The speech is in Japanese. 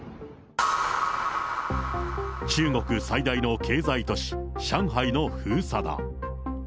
中国最大の経済都市、上海の封鎖だ。